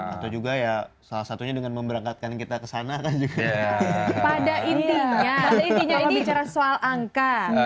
atau juga ya salah satunya dengan memberangkatkan kita ke sana juga pada ini ini cara soal angka